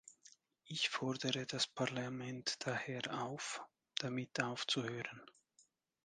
Ich fordere das Parlament daher auf, damit aufzuhören.